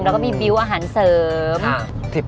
แล้วก็มีบิวต์อาหารเสริม